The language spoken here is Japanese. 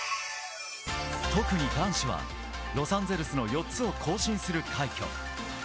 特に男子はロサンゼルスの４つを更新する快挙。